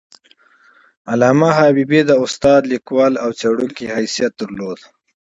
علامه حبیبي د استاد، لیکوال او څیړونکي حیثیت درلود.